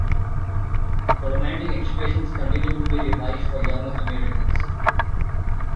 The romantic expressions continue to be revised for young Americans.